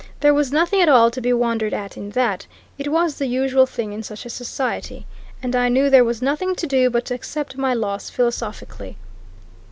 There was nothing at all to be wondered at in that it was the usual thing in such a society. And I knew there was nothing to do but to accept my loss philosophically."